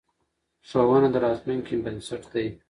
ښوونه د راتلونکې بنسټ دی.